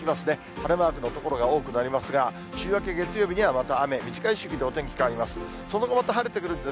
晴れマークの所が多くなりますが、週明け月曜日にはまた雨、短い周期でお天気変わっていきます。